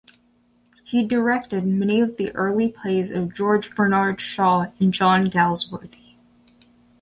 He directed many of the early plays of George Bernard Shaw and John Galsworthy.